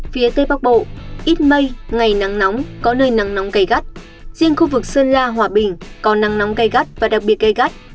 phía tây bắc bộ ít mây ngày nắng nóng có nơi nắng nóng gai cắt riêng khu vực sơn la hòa bình có nắng nóng gai cắt và đặc biệt gai cắt